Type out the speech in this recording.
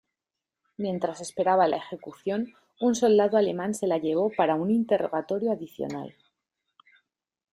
Mientras esperaba la ejecución, un soldado alemán se la llevó para un "interrogatorio adicional".